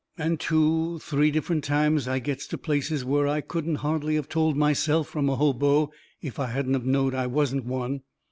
And two, three different times I gets to the place where I couldn't hardly of told myself from a hobo, if I hadn't of knowed I wasn't one.